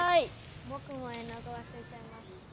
ぼくも絵の具わすれちゃいました。